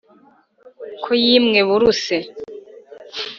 ko yimwe buruse